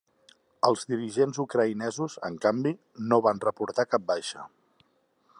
Els dirigents ucraïnesos, en canvi, no van reportar cap baixa.